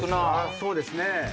そうですね。